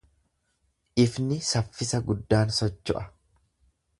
Ifni saffisa guddaan socho’a.